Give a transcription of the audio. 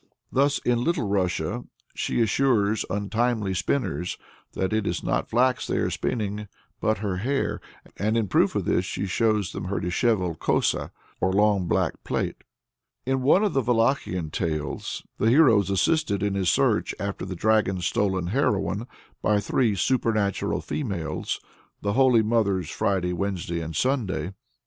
Thus in Little Russia she assures untimely spinners that it is not flax they are spinning, but her hair, and in proof of this she shows them her dishevelled kosa, or long back plait. In one of the Wallachian tales the hero is assisted in his search after the dragon stolen heroine by three supernatural females the holy Mothers Friday, Wednesday, and Sunday.